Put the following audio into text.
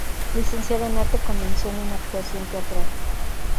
Licenciada en Arte, con mención en actuación Teatral.